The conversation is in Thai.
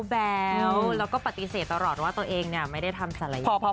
แล้วก็ปฏิเสธตลอดว่าตัวเองไม่ได้ทำศะละยกรรม